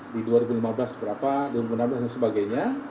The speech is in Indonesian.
di dua ribu lima belas berapa dua ribu enam belas dan sebagainya